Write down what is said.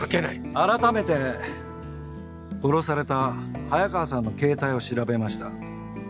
改めて殺された早川さんのケータイを調べました。